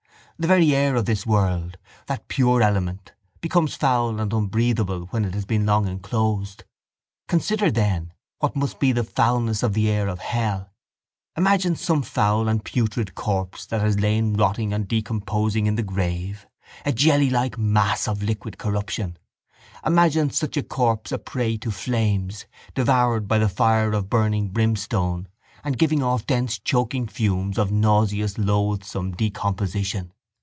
The very air of this world, that pure element, becomes foul and unbreathable when it has been long enclosed. Consider then what must be the foulness of the air of hell. Imagine some foul and putrid corpse that has lain rotting and decomposing in the grave, a jellylike mass of liquid corruption. Imagine such a corpse a prey to flames, devoured by the fire of burning brimstone and giving off dense choking fumes of nauseous loathsome decomposition.